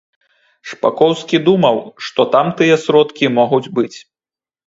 Шпакоўскі думаў, што там тыя сродкі могуць быць.